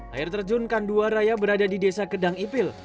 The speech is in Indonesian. air terjun kandua raya berada di desa kedang ipil